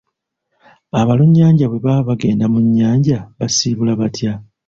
Abalunnyanja bwe baba bagenda mu nnyanja basiibula batya?